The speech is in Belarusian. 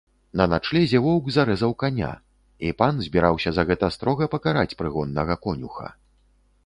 На начлезе воўк зарэзаў каня, і пан збіраўся за гэта строга пакараць прыгоннага конюха.